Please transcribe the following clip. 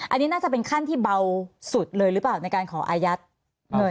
อันนี้น่าจะเป็นขั้นที่เบาสุดเลยหรือเปล่าในการขออายัดเงิน